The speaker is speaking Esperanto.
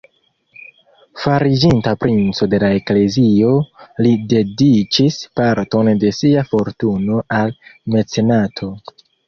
Fariĝinta princo de la Eklezio, li dediĉis parton de sia fortuno al mecenato.